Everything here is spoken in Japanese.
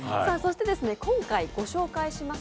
今回ご紹介します